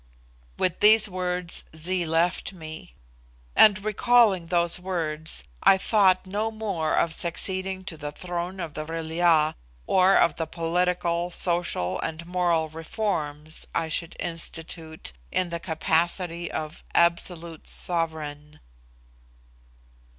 With these words Zee left me. And recalling those words, I thought no more of succeeding to the throne of the Vril ya, or of the political, social, and moral reforms I should institute in the capacity of Absolute Sovereign.